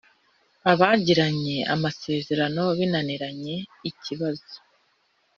abagiranye amasezerano binaniranye ikibazo